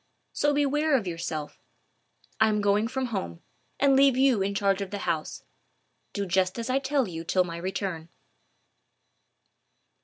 So beware of yourself. I am going from home, and leave you in charge of the house. Do just as I tell you till my return."